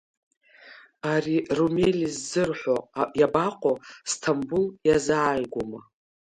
Ари Румели ззырҳәо иабаҟоу Сҭамбул иазааигәоума?